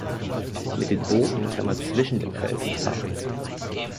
Mit den Booten kann man zwischen den Felsen fahren.